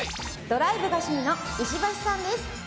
ドライブが趣味の石橋さんです。